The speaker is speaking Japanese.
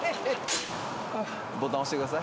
ボタン押してください。